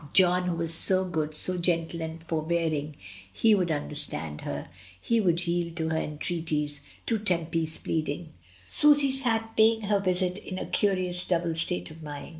John who was so good, so gentle and forbearing, he would understand her, he would yield to her entrea ties, to Temp/s pleading. Susy sat paying her visit in a curious, double state of mind.